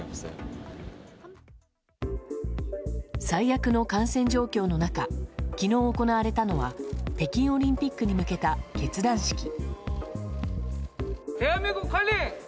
最悪の感染状況の中昨日行われたのは北京オリンピックに向けた結団式。